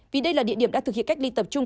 vì đây là địa điểm đã thực hiện cách ly tập trung